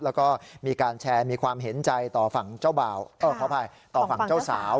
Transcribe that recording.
แล้วก็มีการแชร์มีความเห็นใจต่อฝั่งเจ้าสาว